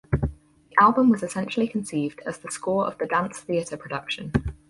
The album was essentially conceived as the score of the dance theatre production.